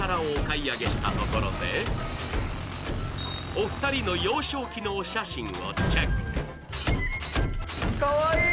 お二人の幼少期のお写真をチェック。